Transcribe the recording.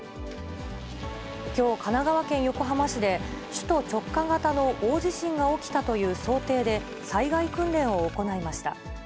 きょう、神奈川県横浜市で、首都直下型の大地震が起きたという想定で、災害訓練を行いました。